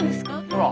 ほら。